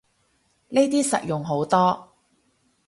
呢啲實用好多